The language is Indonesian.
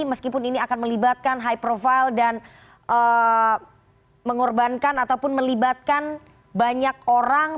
meskipun ini akan melibatkan high profile dan mengorbankan ataupun melibatkan banyak orang